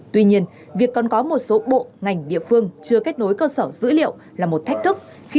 tuy nhiên việc còn có một số bộ ngành địa phương chưa kết nối cơ sở dữ liệu là một thách thức